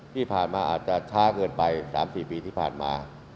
ที่ผ่านมาอาจจะช้าเกินไป๓๔ปีที่ผ่านมา